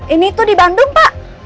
ini tuh di bandung pak